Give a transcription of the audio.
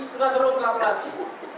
tidak terungkap lagi